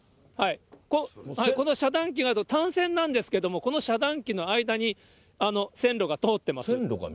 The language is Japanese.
この遮断機がある、単線なんですけど、この遮断機の間に線路が通ってます。